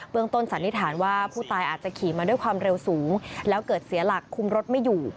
ต้นสันนิษฐานว่าผู้ตายอาจจะขี่มาด้วยความเร็วสูงแล้วเกิดเสียหลักคุมรถไม่อยู่